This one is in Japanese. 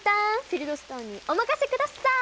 フィルドストンにお任せください！